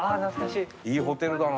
いいホテルだな。